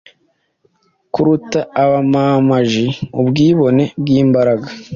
Kurata abamamaji, ubwibone bw'imbaraga,